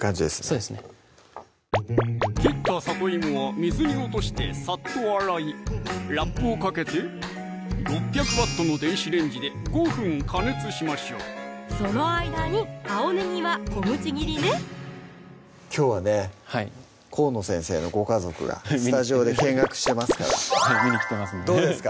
そうですね切ったさといもは水に落としてサッと洗いラップをかけて６００Ｗの電子レンジで５分加熱しましょうその間に青ねぎは小口切りねきょうはね河野先生のご家族がスタジオで見学してますからはい見に来てますどうですか？